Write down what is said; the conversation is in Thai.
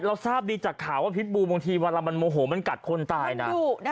แล้วสาบดีจากข่าวว่าพิษบูบางทีมีอะไรคุยกับคนตายนะ